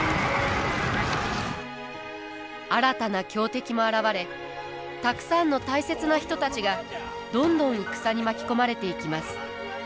新たな強敵も現れたくさんの大切な人たちがどんどん戦に巻き込まれていきます。